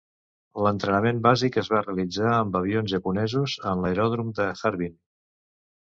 L'entrenament bàsic es va realitzar amb avions japonesos en l'aeròdrom de Harbin.